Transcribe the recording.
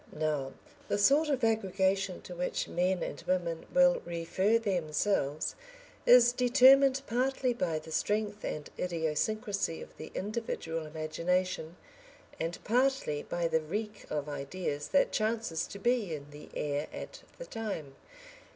Now the sort of aggregation to which men and women will refer themselves is determined partly by the strength and idiosyncrasy of the individual imagination, and partly by the reek of ideas that chances to be in the air at the time.